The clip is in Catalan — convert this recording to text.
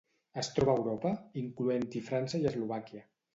Es troba a Europa, incloent-hi França i Eslovàquia.